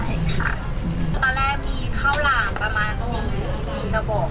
ตอนแรกมีข้าวหลามประมาณ๔กระบอก